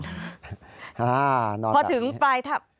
นอนกันอย่างนี้พอถึงปลายถ้า